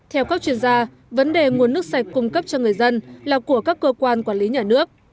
theo các chuyên gia vấn đề nguồn nước sạch cung cấp cho người dân là của các cơ quan quản lý nhà nước